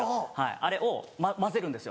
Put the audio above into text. あれを混ぜるんですよ